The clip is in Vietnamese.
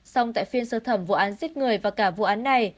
xong tại phiên sơ thẩm vụ án giết người và cả vụ án này